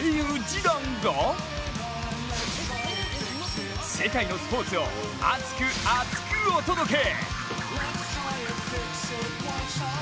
今夜も世界のスポーツを熱く熱くお届け！